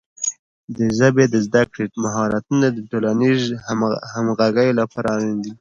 د ژبې د زده کړې مهارتونه د ټولنیزې همغږۍ لپاره اړین دي.